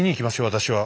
私は。